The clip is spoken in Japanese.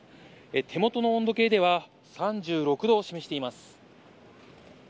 手元の温度計では３６度を示しています。